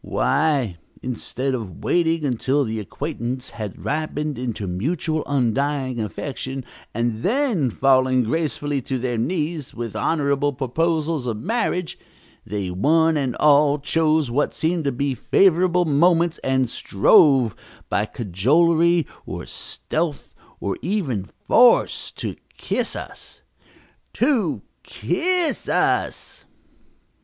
Why, instead of waiting until the acquaintance had ripened into mutual undying affection and then falling gracefully to their knees with honorable proposals of marriage, they one and all chose what seemed to be favorable moments and strove, by cajolery or stealth or even force, to kiss us. To kiss us!"